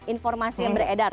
informasi yang beredar